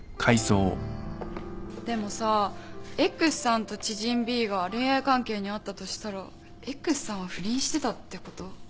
でもさ Ｘ さんと知人 Ｂ が恋愛関係にあったとしたら Ｘ さんは不倫してたってこと？